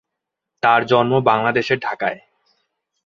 তার জন্ম বাংলাদেশের ঢাকায়।